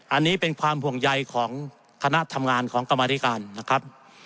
อันนี้เป็นความห่วงใยของคณะทำงานของกรรมธิการนะครับ